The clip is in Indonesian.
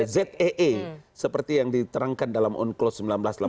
zee seperti yang diterangkan dalam on close seribu sembilan ratus delapan puluh dua